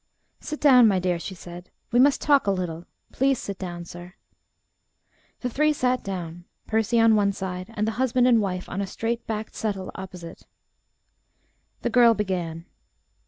"Sit down, my dear," she said. "We must talk a little. Please sit down, sir." The three sat down, Percy on one side, and the husband and wife on a straight backed settle opposite. The girl began again.